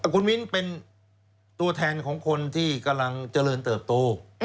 คุณมิ้นเป็นตัวแทนของคนที่กำลังเจริญเติบโต